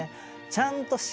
ちゃんとへ。